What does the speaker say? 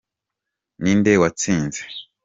Ninde watsinze?